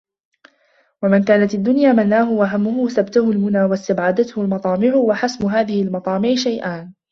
وَمَنْ كَانَتْ الدُّنْيَا مُنَاهُ وَهَمُّهُ سَبَتْهُ الْمُنَى وَاسْتَعْبَدَتْهُ الْمَطَامِعُ وَحَسْمُ هَذِهِ الْمَطَامِعِ شَيْئَانِ